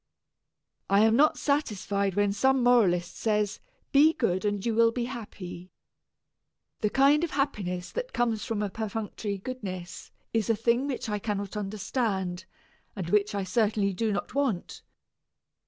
I am not satisfied when some moralist says, "Be good and you will be happy." The kind of happiness that comes from a perfunctory goodness is a thing which I cannot understand, and which I certainly do not want.